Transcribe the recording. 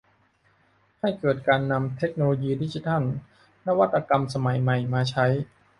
ให้เกิดการนำเทคโนโลยีดิจิทัลนวัตกรรมสมัยใหม่มาใช้